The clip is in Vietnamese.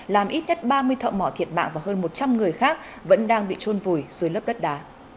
làm ít nhất ba mươi thợ mỏ thiệt mạng và hơn một trăm linh người khác vẫn đang bị trôn vùi dưới lớp đất đá